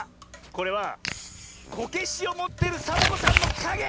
これはこけしをもってるサボ子さんのかげ！